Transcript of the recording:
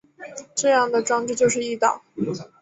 这样的装置就是翼刀。